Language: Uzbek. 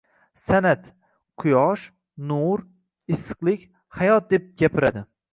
San’at: quyosh, nur, issiqlik, hayot deb gapiradi